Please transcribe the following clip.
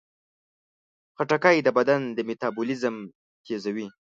خټکی د بدن میتابولیزم تیزوي.